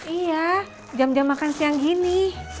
iya jam jam makan siang gini